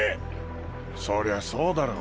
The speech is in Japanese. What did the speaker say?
そりゃそうだろ。